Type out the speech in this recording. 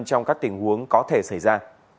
trong các tình huống có thể xảy ra